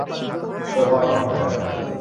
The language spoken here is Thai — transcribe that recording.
โดยความสมัครใจ